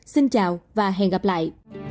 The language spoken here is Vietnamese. xin chào và hẹn gặp lại